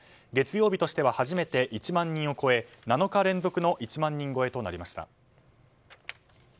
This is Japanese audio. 月曜日としては初めて１万人を超え７日連続の１万人超えとなりました。